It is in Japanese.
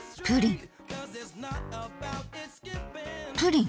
プリン。